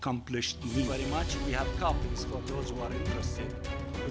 kami sangat berharap untuk mereka yang menarik